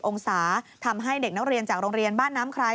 องศาทำให้เด็กนักเรียนจากโรงเรียนบ้านน้ำไคร้